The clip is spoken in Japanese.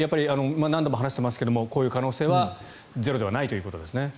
何度も話していますがこういう可能性はゼロではないということですね。